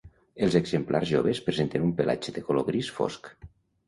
Els exemplars joves presenten un pelatge de color gris fosc.